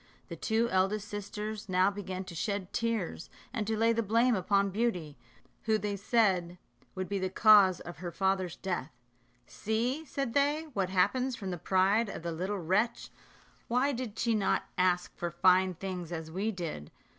The two eldest sisters now began to shed tears, and to lay the blame upon Beauty, who they said would be the cause of her father's death "See," said they, "what happens from the pride of the little wretch. Why did not she ask for fine things as we did?